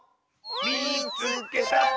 「みいつけた！」。